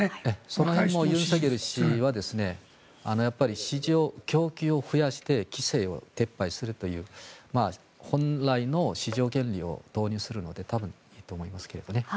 その辺も尹錫悦は供給を増やして規制を撤廃するという本来の市場原理を導入するので多分いいと思いますけどね。